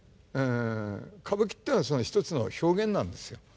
歌舞伎っていうのは一つの表現なんですよ。